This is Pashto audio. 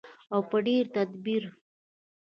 او په ډیر تدبیر.